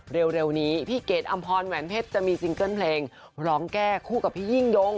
เร็วนี้พี่เกดอำพรแหวนเพชรจะมีซิงเกิ้ลเพลงร้องแก้คู่กับพี่ยิ่งยง